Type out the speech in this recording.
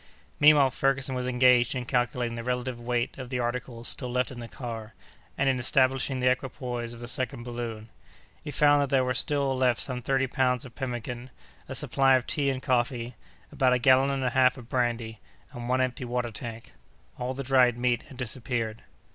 Meanwhile Ferguson was engaged in calculating the relative weight of the articles still left in the car, and in establishing the equipoise of the second balloon. He found that there were still left some thirty pounds of pemmican, a supply of tea and coffee, about a gallon and a half of brandy, and one empty water tank. All the dried meat had disappeared.